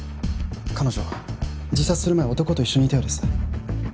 彼女自殺する前男と一緒にいたようです。